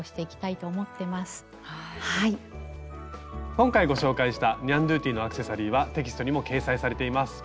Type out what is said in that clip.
今回ご紹介したニャンドゥティのアクセサリーはテキストにも掲載されています。